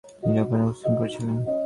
তিনি জাপানে অবস্থান করছিলেন।